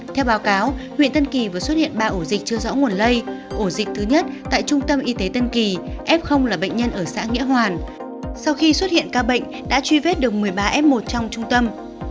theo báo cáo huyện tân kỳ vừa xuất hiện ba ổ dịch chưa rõ nguồn lây ổ dịch thứ nhất tại trung tâm y tế tân kỳ f là bệnh nhân ở xã nghĩa hoàn sau khi xuất hiện ca bệnh đã truy vết được một mươi ba f một trong trung tâm